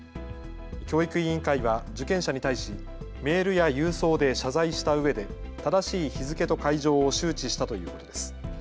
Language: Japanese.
教育委員会は受験者に対しメールや郵送で謝罪したうえで正しい日付と会場を周知したということです。